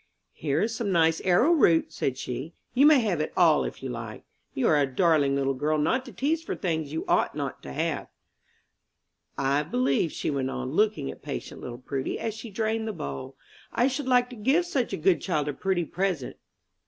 "Here is some nice arrow root," said she. "You may have it all if you like. You are a darling little girl not to tease for things you ought not to have." "I believe," she went on, looking at patient little Prudy, as she drained the bowl, "I should like to give such a good child a pretty present."